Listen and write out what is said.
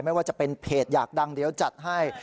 ไม่ว่าจะเป็นเพจอยากดังเดี๋ยวจัดให้